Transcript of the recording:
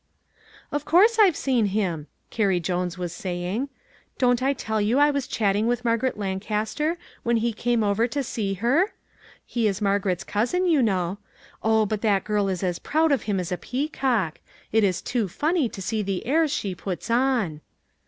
" Of course I've seen him," Carrie Jones was saying. " Don't I tell you I was chatting with Margaret Lancaster when he came over to see her? He is Margaret's cousin, you know. Oh, but that girl is as proud of him as a peacock. It is too funny to see the airs she puts on."